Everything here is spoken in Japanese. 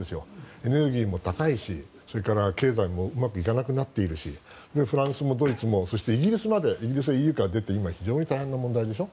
エネルギーも高いしそれから経済もうまくいかなくなっているしフランスもドイツもそしてイギリスまでイギリスは今ＥＵから出て今非常に大変な問題でしょ。